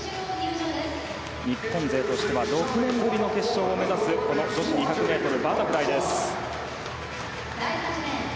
日本勢としては６年ぶりの決勝を目指す女子２００ｍバタフライです。